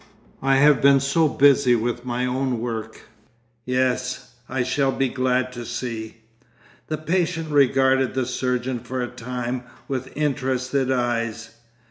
'I have been so busy with my own work——Yes, I shall be glad to see.' The patient regarded the surgeon for a time with interested eyes.